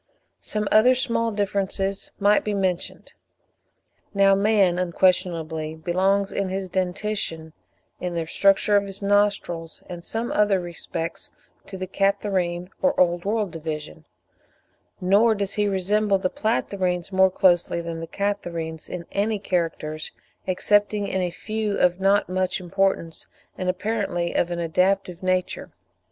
Some other small differences might be mentioned. Now man unquestionably belongs in his dentition, in the structure of his nostrils, and some other respects, to the Catarrhine or Old World division; nor does he resemble the Platyrrhines more closely than the Catarrhines in any characters, excepting in a few of not much importance and apparently of an adaptive nature.